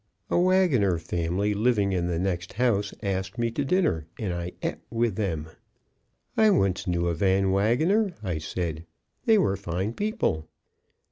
A Wagoner family living in the next house asked me to dinner, and I "et" with them. "I once knew a Van Wagoner," I said; "they were fine people."